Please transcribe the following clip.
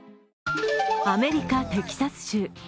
アメリカ・テキサス州。